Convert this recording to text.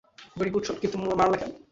Very good shot, কিন্তু মারলা কেন?